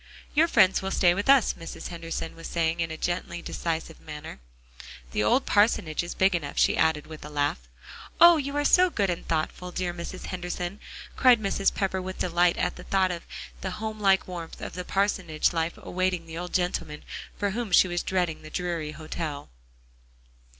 "Your friends will stay with us," Mrs. Henderson was saying in a gently decisive manner, "the old parsonage is big enough," she added with a laugh. "Oh! you are so good and thoughtful, dear Mrs. Henderson," cried Mrs. Pepper with delight at the thought of the homelike warmth of the parsonage life awaiting the old gentleman, for whom she was dreading the dreary hotel.